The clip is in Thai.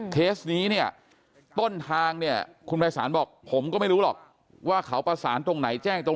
เคสนี้เนี่ยต้นทางเนี่ยคุณภัยศาลบอกผมก็ไม่รู้หรอกว่าเขาประสานตรงไหนแจ้งตรง